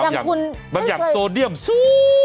หลังจากโซเดียมซู๊ง